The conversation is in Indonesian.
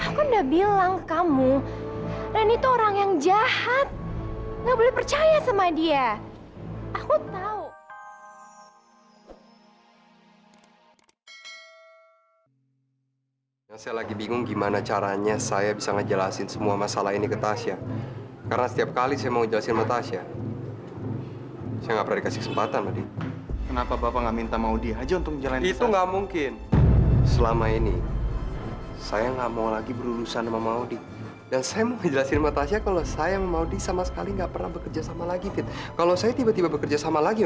kalau saya tiba tiba bekerja sama lagi